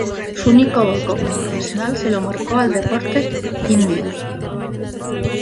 Su único gol como profesional se lo marcó al Deportes Quindio.